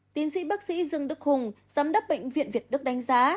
tiến sĩ bác sĩ dương đức hùng giám đốc bệnh viện việt đức đánh giá